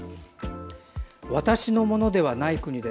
「私のものではない国で」。